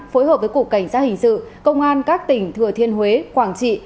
phối hợp với cục cảnh sát hình sự công an các tỉnh thừa thiên huế quảng trị